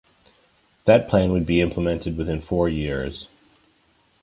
That plan would be implemented within four years.